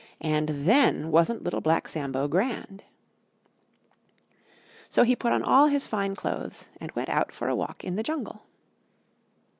And then wasn't Little Black Sambo grand? So he put on all his Fine Clothes and went out for a walk in the Jungle.